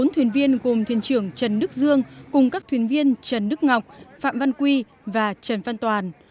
bốn thuyền viên gồm thuyền trưởng trần đức dương cùng các thuyền viên trần đức ngọc phạm văn quy và trần văn toàn